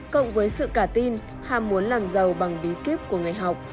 cộng với sự cả tin ham muốn làm giàu bằng bí kíp của người học